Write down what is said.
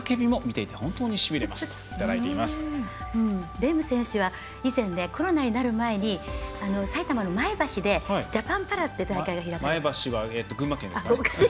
レーム選手は以前コロナになる前に群馬の前橋でジャパンパラって大会が開かれて。